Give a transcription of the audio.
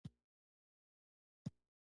ایا کانګې مو کړي دي؟